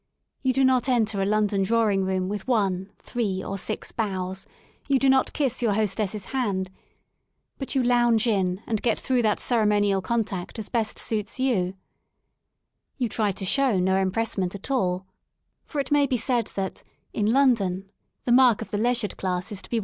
You do not enter a London drawing room with one, three or six bows; you do not kiss your hostesses hand. But you lounge in and get through that cere monial contact as best suits you* You try to show no impressment at alK For it may be said that, in Lon don, the mark of the leisured class is to be without ^ *'The mosi understand!